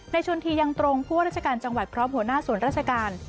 ชนทียังตรงผู้ว่าราชการจังหวัดพร้อมหัวหน้าส่วนราชการ